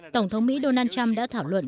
tổng thống mỹ donald trump đã thảo luận